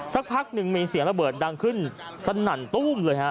สักพักหนึ่งมีเสียงระเบิดดังขึ้นสนั่นตู้มเลยฮะ